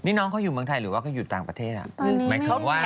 นี่น้องเขาอยู่เมืองไทยหรือว่าอยู่ต่างประเทศล่ะ